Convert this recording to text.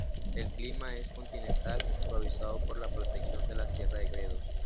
El clima es continental, suavizado por la protección de la sierra de Gredos.